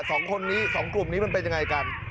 สองคนนี้สองกลุ่มนี้มันเป็นยังไงกัน